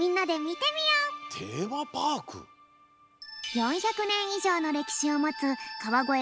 ４００ねんいじょうのれきしをもつかわごえ